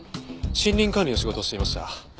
森林管理の仕事をしていました。